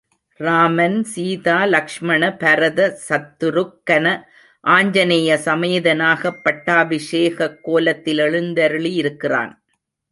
ராமன், சீதா லக்ஷ்மண பரத சத்துருக்கன ஆஞ்சநேய சமேதனாகப் பட்டாபிஷேகக்கோலத்தில் எழுந்தருளியிருக்கிறான்.